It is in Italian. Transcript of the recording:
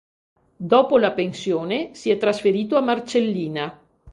Dopo la pensione si è trasferito a Marcellina.